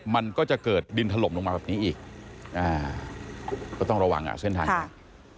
มันก็จะเกิดดินถล่มลงมาแบบนี้อีกก็ต้องระวังอ่ะเส้นทางนี้